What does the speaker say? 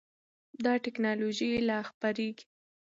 دا ټېکنالوژي لا پراخېږي.